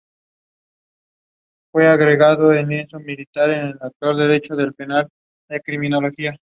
Cumplimiento de los requisitos especiales.